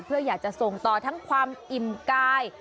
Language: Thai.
เพื่ออยากจะส่งต่อทั้งความอิ่มกาย